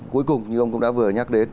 cuối cùng như ông cũng đã vừa nhắc đến